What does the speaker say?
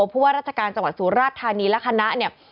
เพราะว่าราชการจังหวัดศูนย์ราชธานีและคณะเนี่ย